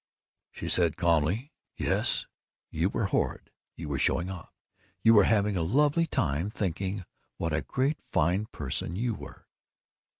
She said calmly, "Yes. You were horrid. You were showing off. You were having a lovely time thinking what a great fine person you were!"